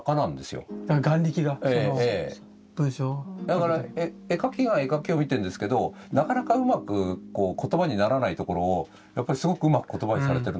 だから絵描きが絵描きを見てんですけれどなかなかうまくこう言葉にならないところをやっぱりすごくうまく言葉にされてるなっていうのが。